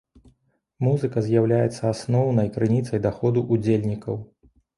Музыка з'яўляецца асноўнай крыніцай даходу ўдзельнікаў.